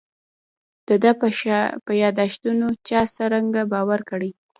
د ده په یاداشتونو چا څرنګه باور کړی.